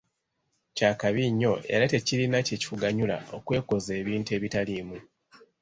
Kya kabi nnyo era tekirina kye kikuganyula okwekoza ebintu ebitaliimu.